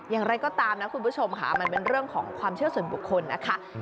อย่างไรก็ตามนะคุณผู้ชมค่ะมันเป็นเรื่องของความเชื่อส่วนบุคคลนะคะ